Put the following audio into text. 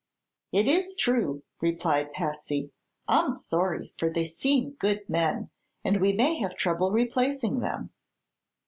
"It is true," replied Patsy. "I'm sorry, for they seem good men and we may have trouble replacing them."